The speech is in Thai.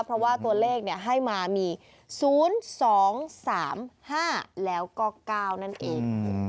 เพราะว่าตัวเลขให้มามี๐๒๓๕แล้วก็๙นั่นเอง